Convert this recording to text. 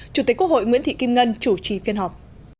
chủ tịch quốc hội nguyễn thị kim ngân chủ trì phiên họp